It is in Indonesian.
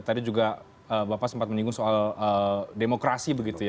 tadi juga bapak sempat menyinggung soal demokrasi begitu ya